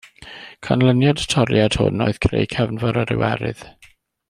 Canlyniad y toriad hwn oedd creu Cefnfor yr Iwerydd.